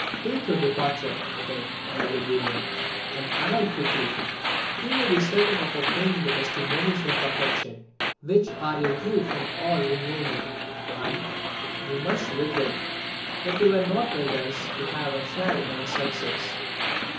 Take your departure, then, my dear Bourrienne, and arrive quickly. You may be certain of obtaining the testimonies of affection which are your due from all who know you; and we much regret that you were not with us to have a share in our success.